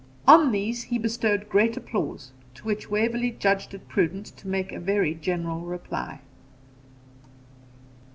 On these he bestowed great applause, to which Waverley judged it prudent to make a very general reply.